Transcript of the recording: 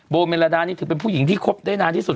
เมลาดานี่ถือเป็นผู้หญิงที่คบได้นานที่สุด